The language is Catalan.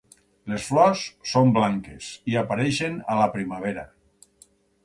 Les flors són blanques i apareixen a la primavera.